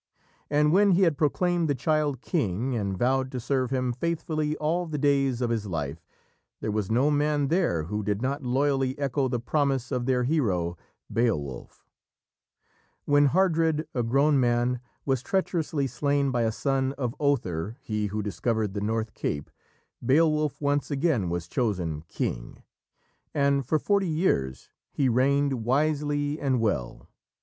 And when he had proclaimed the child King and vowed to serve him faithfully all the days of his life, there was no man there who did not loyally echo the promise of their hero, Beowulf. When Hardred, a grown man, was treacherously slain by a son of Othere, he who discovered the North Cape, Beowulf once again was chosen King, and for forty years he reigned wisely and well.